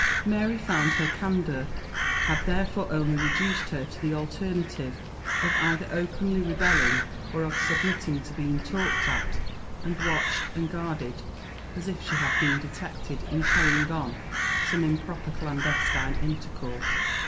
Mary found her candour had therefore only reduced her to the alternative of either openly rebelling, or of submitting to be talked at, and watched, and guarded, as if she had been detected in carrying on some improper clandestine intercourse.